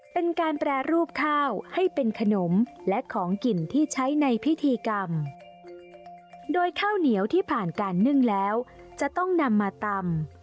เป็นการแปรรูปข้าวให้เป็นขนมและของกินที่ใช้ในพิธีกรรมโดยข้าวเหนียวที่ผ่านการนึ่งแล้วจะต้องนำมาตำ